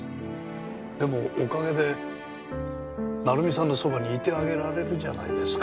でもおかげで成美さんのそばにいてあげられるじゃないですか。